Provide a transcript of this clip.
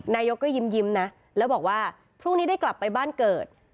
นายกก็ยิ้มนะแล้วบอกว่าพรุ่งนี้ได้กลับไปบ้านเกิด